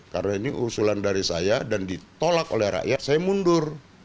karena ini usulan dari saya dan ditolak oleh rakyat saya mundur